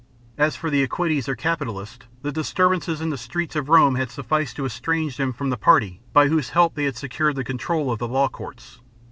As for the equites or capitalists, the disturbances in the streets of Rome had sufficed to estrange them from the party by whose help they had secured the control of the law courts.